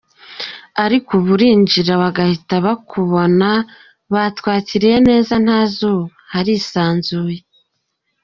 Ariko ubu urinjira bagahita bakubona batwakiriye neza ntazuba, harisanzuye.